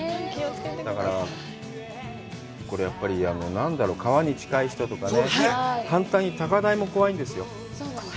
だから、これ、やっぱり、川に近い人とかね、反対に高台も怖いんですよ。